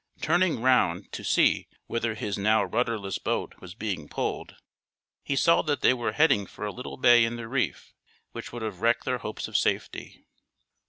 Turning round to see whither his now rudderless boat was being pulled, he saw that they were heading for a little bay in the reef, which would have wrecked their hopes of safety.